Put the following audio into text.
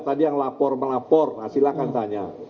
tadi yang lapor melapor nah silahkan tanya